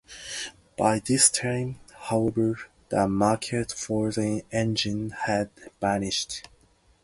By this time however, the market for the engine had vanished.